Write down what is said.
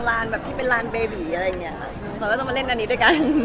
แล้วพี่เจ้าเล่นศอดละเนี่ย